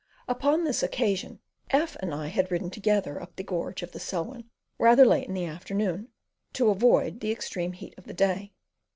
Upon this occasion F and I had ridden together up the gorge of the Selwyn rather late in the afternoon, to avoid the extreme heat of the day.